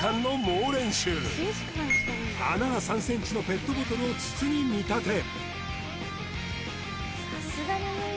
穴が３ｃｍのペットボトルを筒に見立て